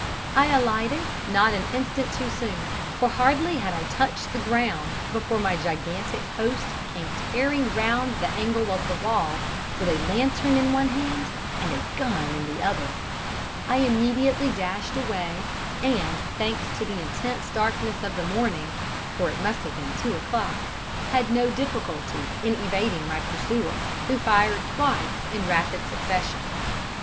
I alighted not an instant too soon, for hardly had I touched the ground before my gigantic host came tearing round the angle of the wall with a lantern in one hand and gun in the other. I immediately dashed away, and, thanks to the intense darkness of the morning for it must have been two o'clock had no difficulty in evading my pursuer, who fired twice in rapid succession.